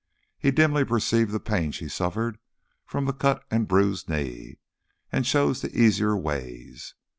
He dimly perceived the pain she suffered from the cut and bruised knee, and chose the easier ways.